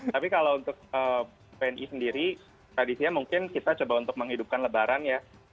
tapi kalau untuk wni sendiri tradisinya mungkin kita coba untuk menghidupkan lebaran ya